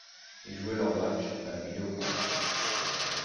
Ils jouaient leurs matches à Meadow Park.